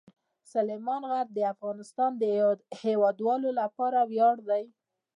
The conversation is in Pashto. سلیمان غر د افغانستان د هیوادوالو لپاره ویاړ دی.